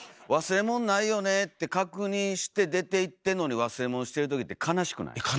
忘れもんないよねって確認して出ていってんのに忘れもんしてる時って悲しくない？